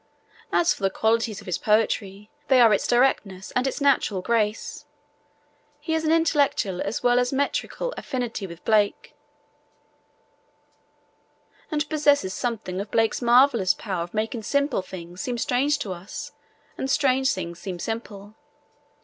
As for the qualities of his poetry, they are its directness and its natural grace. He has an intellectual as well as a metrical affinity with Blake, and possesses something of Blake's marvellous power of making simple things seem strange to us, and strange things seem simple.